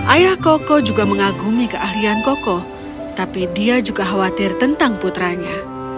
ayah koko juga mengagumi keahlian koko tapi dia juga khawatir tentang putranya